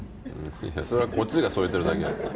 それはこっちが添えてるだけ。